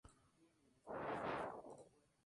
Su presidente es Miguel Becerra.